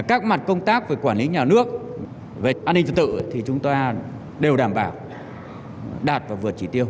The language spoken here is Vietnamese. các mặt công tác về quản lý nhà nước về an ninh trật tự thì chúng ta đều đảm bảo đạt và vượt chỉ tiêu